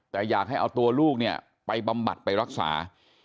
แต่อยากให้เอาตัวลูกเนี่ยไปบำบัดไปรักษา